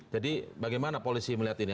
jadi bagaimana polisi melihat ini